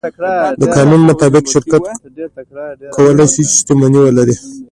د قانون مطابق شرکت کولی شي، چې شتمنۍ ولري.